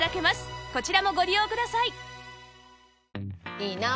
いいなあ。